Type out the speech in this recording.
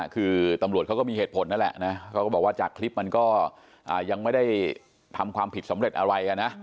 คือตำรวจเขาก็มีเหตุผลนั่นแหละนะเขาก็บอกว่าจากคลิปมันก็ยังไม่ได้ทำความผิดสำเร็จอะไรนะ